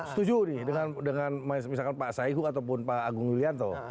setuju nih dengan misalkan pak saihuk ataupun pak agung yulianto